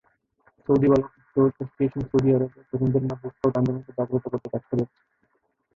Saudi বালক scout association Saudi আরবে তরুণদের মাঝে স্কাউট আন্দোলনকে জাগ্রত করতে কাজ করে যাচ্ছে।